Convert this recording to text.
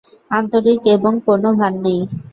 আন্তরিক এবং কোনো ভান নেই।